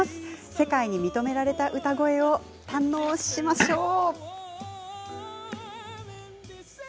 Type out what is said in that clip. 世界に認められた歌声を堪能しましょう。